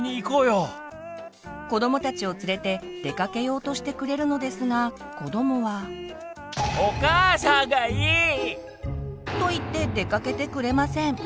子どもたちを連れて出かけようとしてくれるのですが子どもは。と言って出かけてくれません。